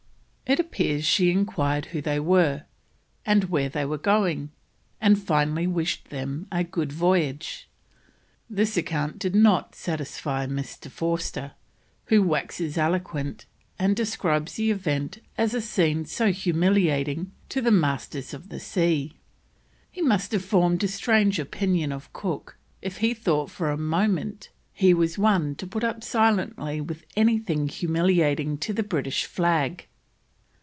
It appears she enquired who they were, and where they were going, and finally wished them a good voyage. This account did not satisfy Mr. Forster, who waxes eloquent and describes the event as "a scene so humiliating to the masters of the sea." He must have formed a strange opinion of Cook if he thought for a moment he was one to put up silently with anything humiliating to the British flag.